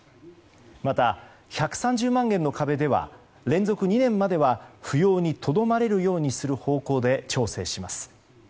また、１３０万円の壁では連続２年までは扶養にとどまれるようにする方向で調整します。